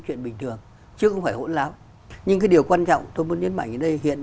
chuyện bình thường chứ không phải hỗn láo nhưng cái điều quan trọng tôi muốn nhấn mạnh ở đây hiện